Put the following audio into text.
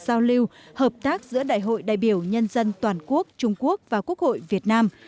giao lưu hợp tác giữa đại hội đại biểu nhân dân toàn quốc trung quốc và quốc hội việt nam